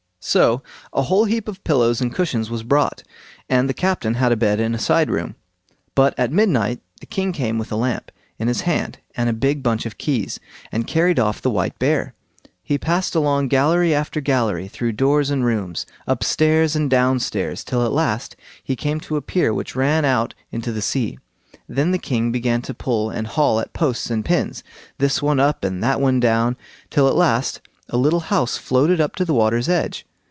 So a whole heap of pillows and cushions was brought, and the captain had a bed in a side room. But at midnight the king came with a lamp in his hand and a big bunch of keys, and carried off the white bear. He passed along gallery after gallery, through doors and rooms, up stairs and down stairs, till at last he came to a pier which ran out into the sea. Then the king began to pull and haul at posts and pins, this one up and that one down, till at last a little house floated up to the water's edge.